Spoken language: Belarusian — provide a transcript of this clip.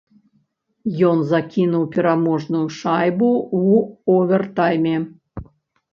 Ён закінуў пераможную шайбу ў овертайме.